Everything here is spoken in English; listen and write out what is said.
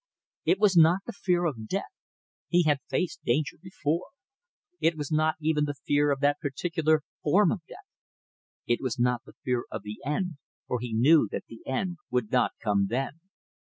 It was not the fear of death he had faced danger before it was not even the fear of that particular form of death. It was not the fear of the end, for he knew that the end would not come then.